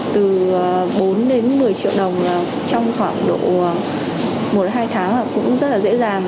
từ bốn đến một mươi triệu đồng trong khoảng độ một đến hai tháng cũng rất là dễ dàng